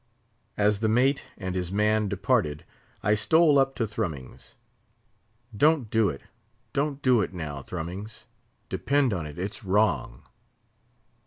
As the mate and his man departed, I stole up to Thrummings. "Don't do it—don't do it, now, Thrummings—depend on it, it's wrong!"